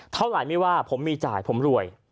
เท่าไหร่ไม่ว่าผมมีจ่ายผมรวย